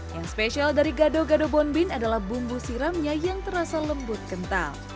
yang spesial dari gado gado bonbin adalah bumbu siramnya yang terasa lembut kental